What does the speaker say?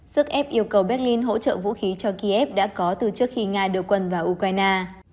sức ép yêu cầu berlin hỗ trợ vũ khí cho kiev đã có từ trước khi nga đưa quân vào ukraine